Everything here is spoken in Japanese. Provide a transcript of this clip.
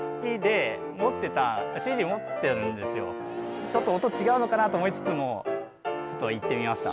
持ってたちょっと音違うのかなと思いつつもちょっといってみました